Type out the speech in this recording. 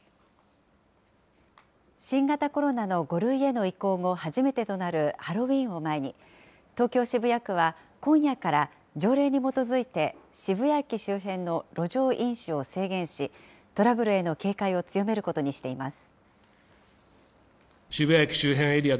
新型コロナの５類への移行後、初めてとなるハロウィーンを前に、東京・渋谷区は、今夜から条例に基づいて渋谷駅周辺の路上飲酒を制限し、トラブルへの警戒を強めることにしています。